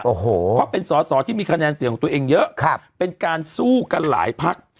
โอ้โหเพราะเป็นสอสอที่มีคะแนนเสียงของตัวเองเยอะเป็นการสู้กันหลายพัก